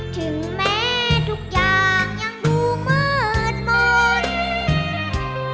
ถึงแม้ทุกอย่างยังดูมืดมนต์